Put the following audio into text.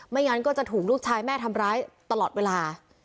งั้นก็จะถูกลูกชายแม่ทำร้ายตลอดเวลา